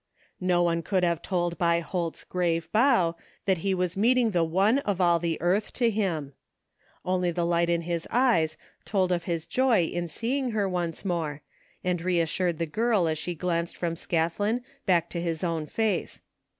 No one could have told by Holt's grave bow that he was meeting the one of all the earth to him. Only the light in his eyes told of his joy in seeing her once more, and reassured the girl as she glanced from Scathlin back to his own face.